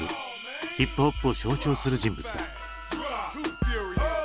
ヒップホップを象徴する人物だ。